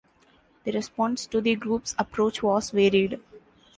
The response to the group's approach was varied.